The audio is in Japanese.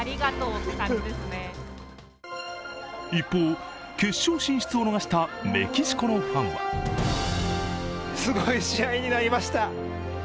一方、決勝進出を逃したメキシコのファンはすごい試合になりました。